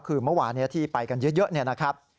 คือเมื่อวานี้ที่ไปกันเยอะเนี่ยนะครับ